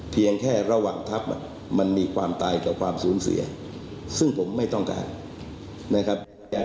เพียงแค่ระหว่างทัพมันมีความตายกับความสูญเสียซึ่งผมไม่ต้องการนะครับ